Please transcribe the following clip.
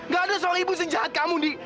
gak ada seorang ibu sejahat kamu di